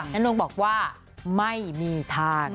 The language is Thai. นงบอกว่าไม่มีทาง